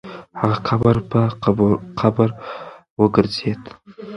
هغه قبر په قبر وګرځېد.